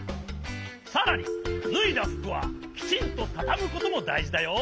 さらにぬいだふくはきちんとたたむこともだいじだよ。